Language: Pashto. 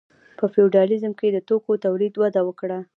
په فیوډالیزم کې د توکو تولید وده وکړه.